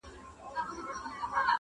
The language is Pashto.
سړي وویل قسم دی چي مسکین یم!.